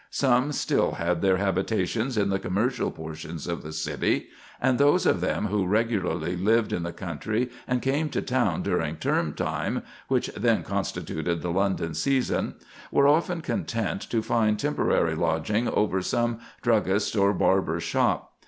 Some still had their habitations in the commercial portions of the city, and those of them who regularly lived in the country and came to town during term time—which then constituted the London season,—were often content to find temporary lodging over some druggist's or barber's shop.